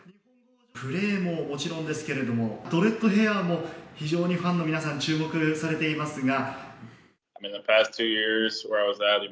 プレーももちろんですけれども、ドレッドヘアも非常にファンの皆さん、注目されていますが。